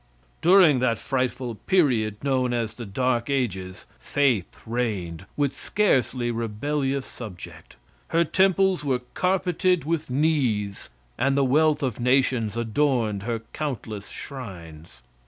During that frightful period known as the "Dark Ages," Faith reigned, with scarcely rebellious subject. Her temples were "carpeted with knees," and the wealth of nations adorned her countless shrines.